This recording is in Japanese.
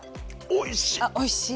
おいしい。